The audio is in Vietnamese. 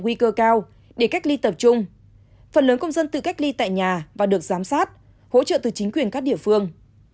nguy cơ cao để cách ly tập trung phần lớn công dân tự cách ly tại nhà và được giám sát hỗ trợ từ chính quyền các địa phương